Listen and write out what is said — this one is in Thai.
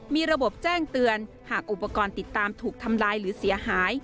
มีระบบแจ้งเตือนหากอุปกรณ์ติดตามถูกทำลายหรือเสียหาย